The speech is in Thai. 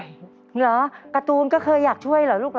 เหรอการ์ตูนก็เคยอยากช่วยเหรอลูกเหรอ